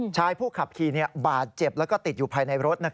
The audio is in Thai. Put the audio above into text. ชายผู้ขับขี่บาดเจ็บแล้วก็ติดอยู่ภายในรถ